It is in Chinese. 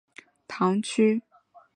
欧卡是葡萄牙阿威罗区的一个堂区。